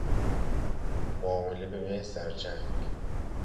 معامله به مثل در جنگ